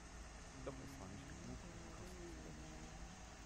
Doch es war nicht genug um die Kosten zu decken.